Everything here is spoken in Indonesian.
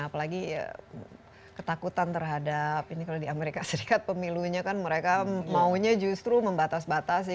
apalagi ketakutan terhadap ini kalau di amerika serikat pemilunya kan mereka maunya justru membatas batas ya